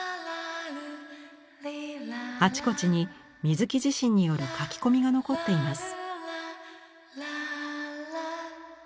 あちこちに水木自身による書き込みが残っています。